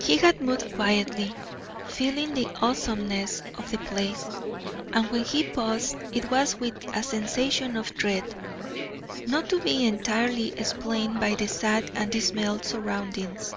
He had moved quietly, feeling the awesomeness of the place, and when he paused it was with a sensation of dread, not to be entirely explained by the sad and dismal surroundings.